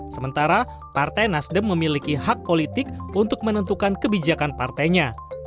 sementara partai nasdem memiliki hak politik untuk menentukan kebijakan partainya